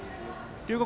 龍谷